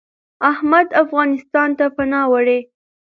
احمد افغانستان ته پناه وړي .